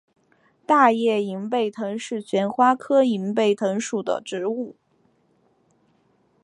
大叶银背藤是旋花科银背藤属的植物。